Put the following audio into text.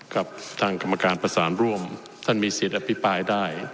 กับทางกรรมการประสานร่วมท่านมีสิทธิ์อภิปรายได้